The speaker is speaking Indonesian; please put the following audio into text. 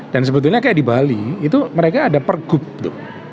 dan sebetulnya kayak di bali itu mereka ada pergub tuh